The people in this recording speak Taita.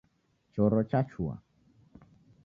Choro chachua.